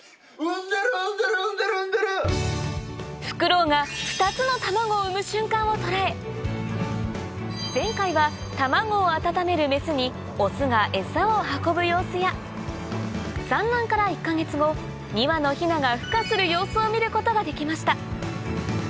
フクロウが２つの卵を産む瞬間を捉え前回は卵を温めるメスにオスが餌を運ぶ様子や２羽のヒナがふ化する様子を見ることができました